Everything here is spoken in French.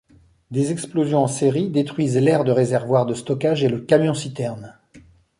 Des explosions en série détruisent l'aire de réservoirs de stockage et le camion-citerne.